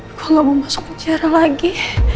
aku gak mau masuk penjara lagi